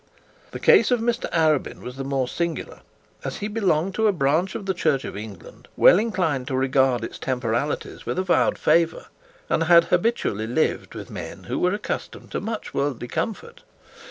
The case of Mr Arabin was the more singular, as he belonged to a branch of the Church of England well inclined to regard its temporalities with avowed favour, and had habitually lived with men who were accustomed to much worldly comfort.